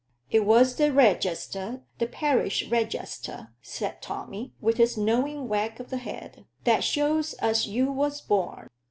"It was the regester the parish regester," said Tommy, with his knowing wag of the head, "that shows as you was born.